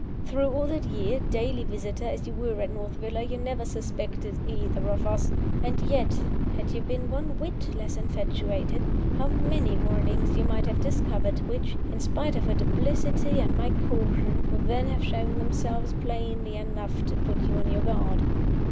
"Through all that year, daily visitor as you were at North Villa, you never suspected either of us! And yet, had you been one whit less infatuated, how many warnings you might have discovered, which, in spite of her duplicity and my caution, would then have shown themselves plainly enough to put you on your guard!